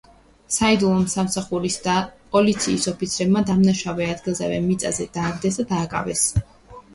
საიდუმლო სამსახურის და პოლიციის ოფიცრებმა დამნაშავე ადგილზევე მიწაზე დააგდეს და დააკავეს.